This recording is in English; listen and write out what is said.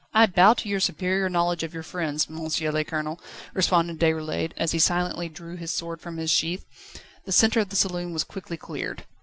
"I bow to your superior knowledge of your friends, M. le Colonel," responded Déroulède, as he silently drew his sword from its sheath. The centre of the saloon was quickly cleared.